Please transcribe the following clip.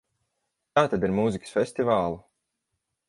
Kā tad ar mūzikas festivālu?